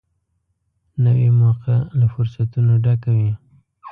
نوې موقعه له فرصتونو ډکه وي